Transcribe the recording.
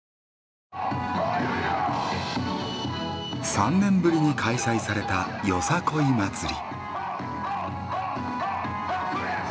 ３年ぶりに開催されたよさこい祭り。